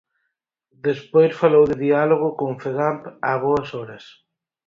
Despois falou de diálogo coa Fegamp, ¡a boas horas!